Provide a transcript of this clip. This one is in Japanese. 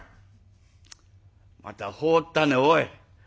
また放ったねおい。